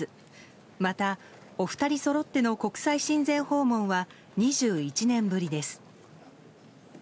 またお二人そろっての国際親善訪問は２１年ぶりです。